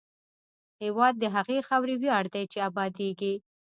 هېواد د هغې خاورې ویاړ دی چې ابادېږي.